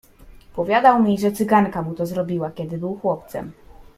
"Powiadał mi, że cyganka mu to zrobiła, kiedy był chłopcem."